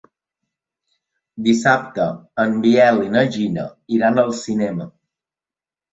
Dissabte en Biel i na Gina iran al cinema.